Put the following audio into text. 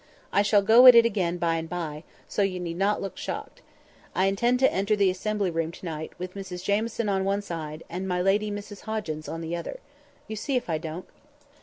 I shall go at it again by and by, so you need not look shocked. I intend to enter the Assembly Room to night with Mrs Jamieson on one side, and my lady, Mrs Hoggins, on the other. You see if I don't."